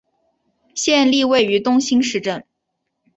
县莅位于东兴市镇。